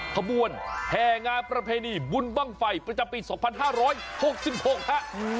ขบวนแห่งานประเพณีบุญบ้างไฟประจำปี๒๕๖๖ฮะ